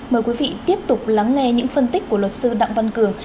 mời quý vị tiếp tục lắng nghe những phân tích của luật sư đặng văn cường